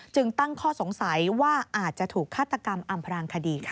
ตั้งข้อสงสัยว่าอาจจะถูกฆาตกรรมอำพรางคดีค่ะ